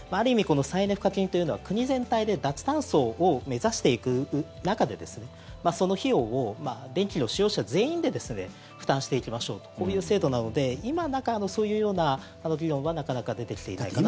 この再エネ賦課金というのは国全体で脱炭素を目指していく中でその費用を電気の使用者全員で負担していきましょうというこういう制度なので今、そういうような議論はなかなか出てきていないです。